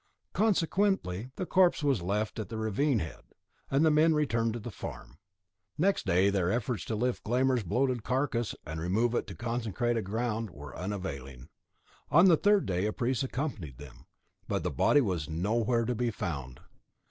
Consequently, the corpse was left at the ravine head, and the men returned to the farm. Next day their efforts to lift Glámr's bloated carcass, and remove it to consecrated ground, were unavailing. On the third day a priest accompanied them, but the body was nowhere to be found.